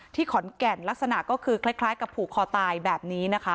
ที่ขอนแก่นลักษณะคล้ายกับผูกคอตายแบบนี้